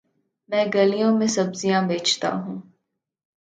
میں گلیوں میں سبزیاں بیچتا ہوں